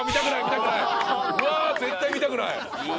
うわ絶対見たくない。